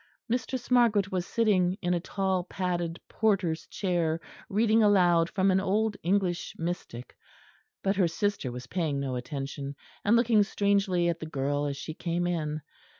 Mistress Margaret was sitting in a tall padded porter's chair reading aloud from an old English mystic, but her sister was paying no attention, and looked strangely at the girl as she came in.